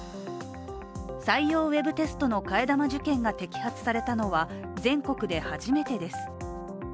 採用ウェブテストの替え玉受検が摘発されたのは全国で初めてです。